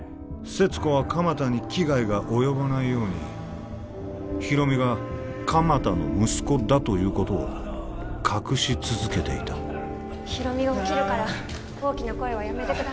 勢津子は鎌田に危害が及ばないように広見が鎌田の息子だということを隠し続けていた広見が起きるから大きな声はやめてください